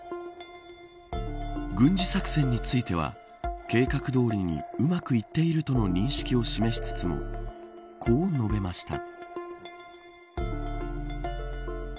軍事作戦については計画どおりにうまくいっているとの認識を示しつつもこう述べました。